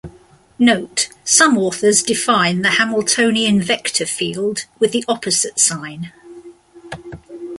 Note: Some authors define the Hamiltonian vector field with the opposite sign.